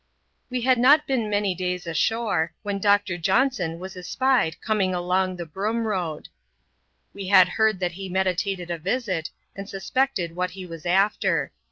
We had not been many days ashore, when Doctor Johnson was espied coming along the Broom Road. We had heard that he meditated a visit, and suspected what he was after.